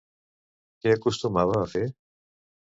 Què acostumava a fer?